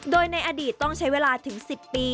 โดยในอดีตต้องใช้เวลาถึง๑๐ปี